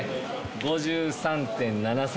５３．７３